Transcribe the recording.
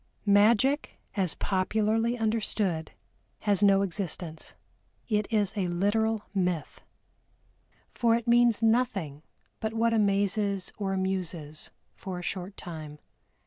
Magic, as popularly understood, has no existence, it is a literal myth for it means nothing but what amazes or amuses for a short time.